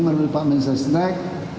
menurut pak menstresnek